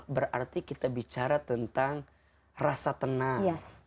berarti kita bicara tentang rasa tenang